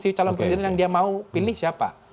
si calon presiden yang dia mau pilih siapa